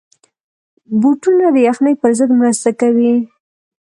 بوټونه د یخنۍ پر ضد مرسته کوي.